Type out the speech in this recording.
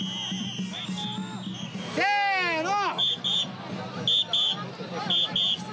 せの！